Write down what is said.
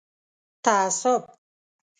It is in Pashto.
تعصب